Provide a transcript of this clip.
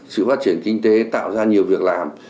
sự phát triển kinh tế tạo ra nhiều việc làm